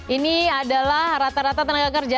ini adalah rata rata tenaga kerja